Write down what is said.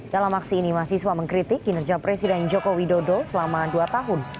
dalam aksi ini mahasiswa mengkritik kinerja presiden joko widodo selama dua tahun